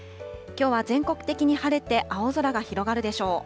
きょうは全国的に晴れて、青空が広がるでしょう。